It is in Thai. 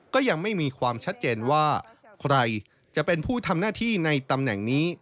ก็ยังไม่มีความชัดเจนว่าใครจะเป็นผู้ทำหน้าที่ในตำแหน่งนี้